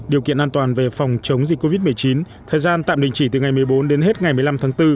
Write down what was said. điều kiện an toàn về phòng chống dịch covid một mươi chín thời gian tạm đình chỉ từ ngày một mươi bốn đến hết ngày một mươi năm tháng bốn